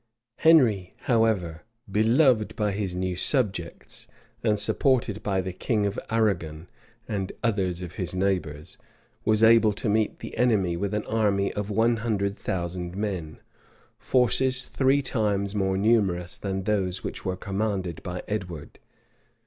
Henry, however, beloved by his new subjects, and supported by the king of Arragon and others of his neighbors, was able to meet the enemy with an army of one hundred thousand men; forces three times more numerous than those which were commanded by Edward.